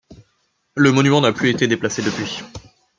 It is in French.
Le monument n'a plus été déplacé depuis.